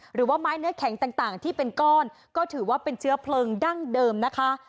หรือว่าไม้เนื้อแข็งต่างที่เป็นก้อนก็ถือว่าเป็นเชื้อเพลิงดั้งเดิมนะคะ